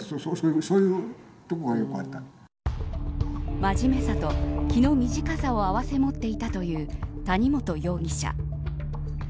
真面目さと、気の短さを併せ持っていたという谷本容疑者。